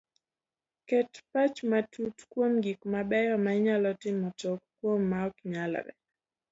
Ket pach matut kuom gik mabeyo ma inyalo timo to ok kuom ma oknyalre